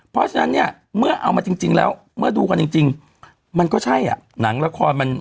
เพราะฉะนั้นเนี่ยเมื่อเอามาจริงแล้วเมื่อดูกันจริงมันก็ใช่อ่ะหนังละครมัน